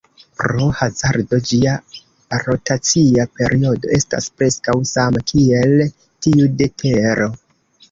Pro hazardo, ĝia rotacia periodo estas preskaŭ sama kiel tiu de Tero.